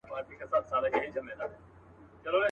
ځان بېغمه کړه د رېګ له زحمتونو.